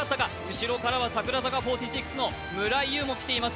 後ろからは櫻坂４６の村井優も来ています。